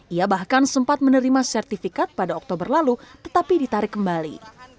ia bahkan sempat menerima sertifikat pada oktober lalu tetapi ditarik kembali